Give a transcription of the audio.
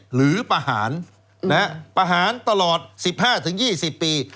หรือประหารนะฮะประหารตลอดสิบห้าถึงยี่สิบปี